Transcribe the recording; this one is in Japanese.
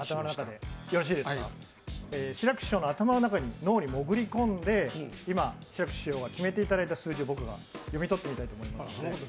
志らく師匠の頭の中脳の中に潜り込んで志らく師匠が決めていただいた数字を僕が読み取っていきたいと思います。